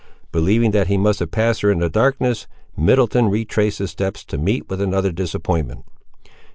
Believing that he must have passed her in the darkness, Middleton retraced his steps to meet with another disappointment.